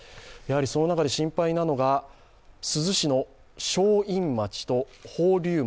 その中で心配なのが珠洲市の正院町と宝立町